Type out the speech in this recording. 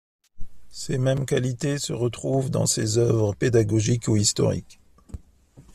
Ces mêmes qualités se retrouvent dans ses œuvres pédagogiques ou historiques.